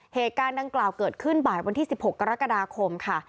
เหตุการณ์ดังกล่าวเกิดขึ้นบ่ายวันที่๑๖กรกฎาคมค่ะ